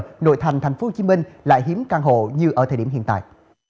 bao giờ nội thành tp hcm lại hiếm căn hộ như ở thời điểm hiện tại